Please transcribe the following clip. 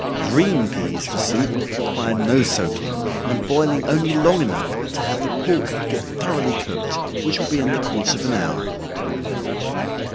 Green peas for soup require no soaking, and boiling only long enough to have the pork get thoroughly cooked, which will be in the course of an hour.